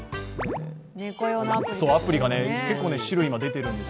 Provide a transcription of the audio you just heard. アプリが結構種類が出てるんです。